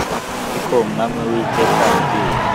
ni ko umwami uwiteka ambwiye